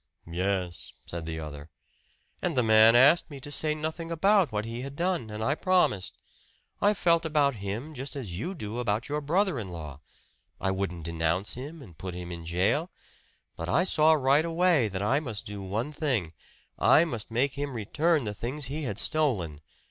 "Yes," said the other. "And the man asked me to say nothing about what he had done, and I promised. I felt about him just as you do about your brother in law I wouldn't denounce him and put him in jail. But I saw right away that I must do one thing I must make him return the things he had stolen!